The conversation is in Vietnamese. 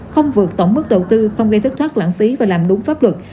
không vượt tổng mức đầu tư không gây thất thoát lãng phí và làm đúng pháp luật